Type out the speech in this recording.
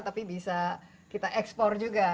tapi bisa kita ekspor juga